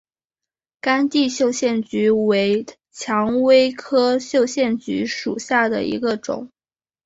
干地绣线菊为蔷薇科绣线菊属下的一个种。